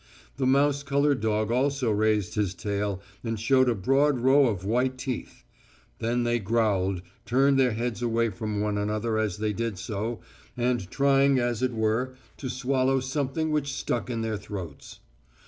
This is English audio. The mouse coloured dog also raised his tail and showed a broad row of white teeth. Then they both growled, turning their heads away from one another as they did so, and trying, as it were, to swallow something which stuck in their throats.